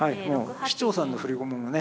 市長さんの振り駒もね